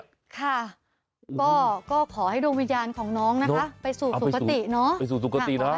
ค่ะก็ขอให้ดวงวิญญาณของน้องนะคะไปสู่สุขติเนอะ